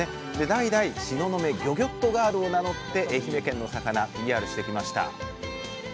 代々「しののめ魚魚っとガール」を名乗って愛媛県の魚ＰＲしてきました。